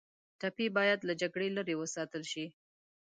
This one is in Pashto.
ټپي ته باید له جګړې لرې وساتل شي.